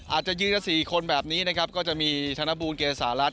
อาจจะยืดละสี่คนแบบนี้นะครับก็จะมีธนบูรณ์เกษาศาลัทธ์